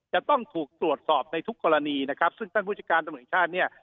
จะต้องถูกตรวจสอบในทุกกรณีนะครับซึ่งท่านผู้จัดการตำรวจแห่งชาติเนี่ย